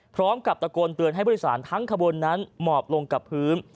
พร้อมกับตะโกนเตือนให้ผู้โดยสารทั้งขบวนนั้นหมอบลงกับพื้น